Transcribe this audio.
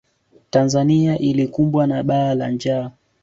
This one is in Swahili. tanzania ilikumbwa na bala la njaa